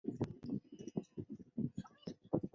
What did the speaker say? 境内有天台山脉与大雷山脉。